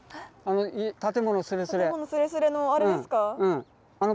建物すれすれのあれですか？